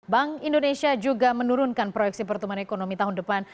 bank indonesia juga menurunkan proyeksi pertumbuhan ekonomi tahun depan